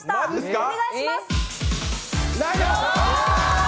お願いします！